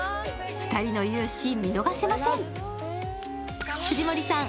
２人の勇姿、見逃せません。